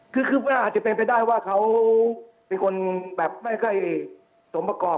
คือคืบหน้าอาจจะเป็นไปได้ว่าเขาเป็นคนแบบไม่ค่อยสมประกอบ